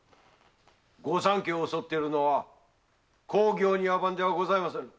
御三家を襲っているのは公儀お庭番ではございませぬ。